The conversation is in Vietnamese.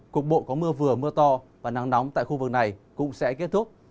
cục bộ có mưa vừa mưa to và nắng nóng tại khu vực này cũng sẽ kết thúc